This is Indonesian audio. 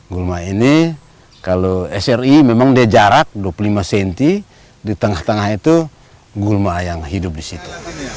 gulma ini kalau sri memang dia jarak dua puluh lima cm di tengah tengah itu gulma yang hidup di situ